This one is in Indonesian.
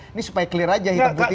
ini supaya clear aja hitam putih